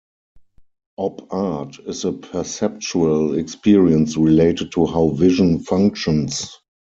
Op art is a perceptual experience related to how vision functions.